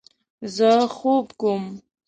زه خوب کوم